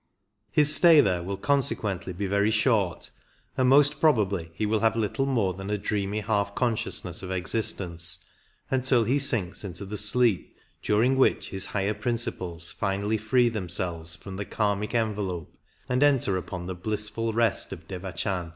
His stay there will consequently be very short, and most probably he will have little more than a dreamy half con sciousness of existence until he sinks into the sleep during which his higher principles finally free themselves from the kimic envelope and enter upon the blissful rest of Devachan.